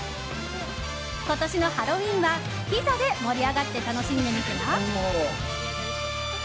今年のハロウィーンはピザで盛り上がって楽しんでみては？